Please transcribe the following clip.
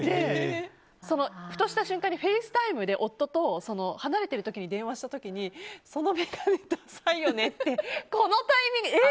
ふとした瞬間にフェイスタイムで夫と離れている時に電話した時にその眼鏡ダサいよねってこのタイミングでえ？